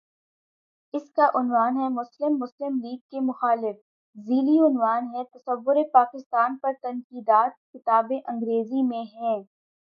اس کا عنوان ہے:"مسلم مسلم لیگ کے مخالف" ذیلی عنوان ہے:"تصورپاکستان پر تنقیدات" کتاب انگریزی میں ہے۔